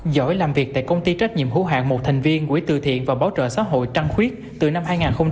giỏi làm việc tại công ty trách nhiệm hữu hạng một thành viên quỹ tư thiện và báo trợ xã hội trăng khuyết từ năm hai nghìn hai mươi